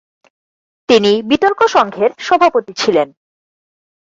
তিনি বিতর্ক সংঘের সভাপতি ছিলেন।